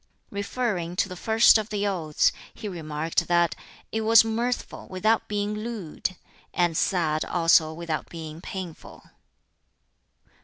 Referring to the First of the Odes, he remarked that it was mirthful without being lewd, and sad also without being painful.